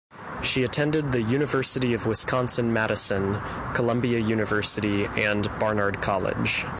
She attended the University of Wisconsin-Madison, Columbia University and Barnard College.